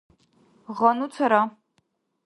гъану цара